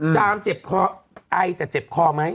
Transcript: จามเจ็บคอไอแต่เจ็บคอไหม